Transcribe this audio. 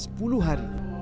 selama sepuluh hari